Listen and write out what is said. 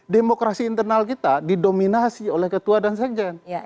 demokrasi internal kita didominasi oleh ketua dan sekjen